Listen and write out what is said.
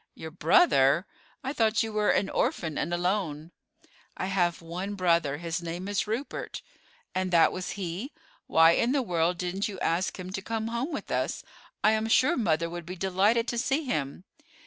"Your brother? I thought you were an orphan and alone." "I have one brother; his name is Rupert." "And that was he? Why in the world didn't you ask him to come home with us; I am sure mother would be delighted to see him."